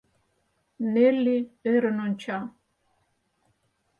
Нелли ӧрын онча.